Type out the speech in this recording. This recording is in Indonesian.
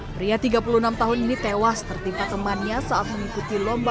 pria tiga puluh enam tahun ini tewas tertimpa temannya saat mengikuti lomba